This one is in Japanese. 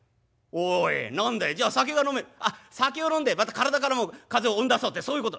「おい何だいじゃあ酒が飲めるあっ酒を飲んでまた体からも風邪を追ん出そうってそういうこと？」。